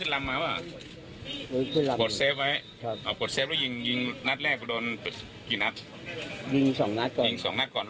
ล้มลงแล้วทั้งแรกอ่ะเข้าไปเข้าไปล้มไปต่อเหรอช้าช้า